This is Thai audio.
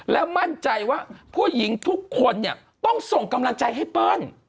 และมั่นใจว่าผู้หญิงทุกคนเนี่ยต้องส่งกำลังใจให้เปิ้ล